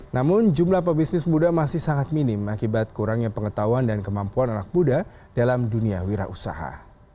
namun jumlah pebisnis muda masih sangat minim akibat kurangnya pengetahuan dan kemampuan anak muda dalam dunia wira usaha